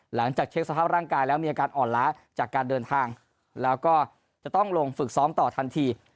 หลังจากเช็คสภาพร่างกายแล้วมีอาการอ่อนล้าจากการเดินทางแล้วก็จะต้องลงฝึกซ้อมต่อทันที